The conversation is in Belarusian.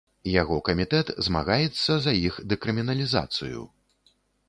Яго камітэт змагаецца за іх дэкрыміналізацыю.